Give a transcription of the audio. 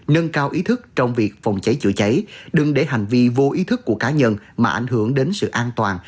nâng cao ý thức trong việc phòng cháy chữa cháy đừng để hành vi vô ý thức của cá nhân mà ảnh hưởng đến sự an toàn